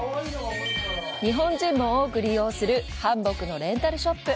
日本人も多く利用する韓服のレンタルショップ。